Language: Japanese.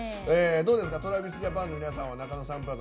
ＴｒａｖｉｓＪａｐａｎの皆さんは中野サンプラザ